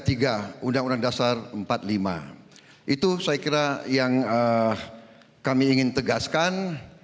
pasal tiga puluh tiga undang undang dasar empat puluh lima itu saya kira yang kami ingin tegaskan